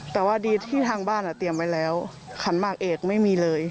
แต่ว่าดีที่ทางบ้านเตรียมไว้แล้วขันหมากเอกไม่มีเลย